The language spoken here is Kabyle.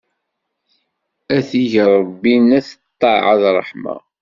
Ad t-ig Ṛebbi n at ṭṭaɛa d ṛṛeḥma!